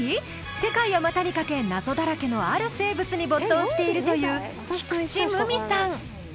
世界を股にかけ謎だらけのある生物に没頭しているという菊池さん